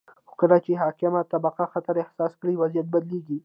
خو کله چې حاکمه طبقه خطر احساس کړي، وضعیت بدلیږي.